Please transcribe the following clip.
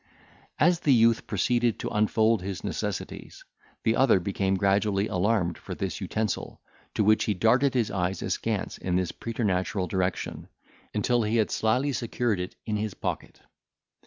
As the youth proceeded to unfold his necessities, the other became gradually alarmed for this utensil, to which he darted his eyes askance in this preternatural direction, until he had slyly secured it in his pocket.